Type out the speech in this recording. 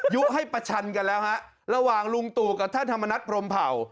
ยุให้ประชันกันแล้วฮะระหว่างลุงตู่กับท่านธรรมนัฐพรมเผ่า